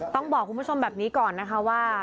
ต้องบอกคุณผู้ชมแบบนี้ก่อนนะคะว่า